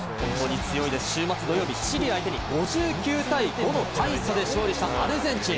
週末土曜日、チリ相手に５９対５の大差で勝利したアルゼンチン。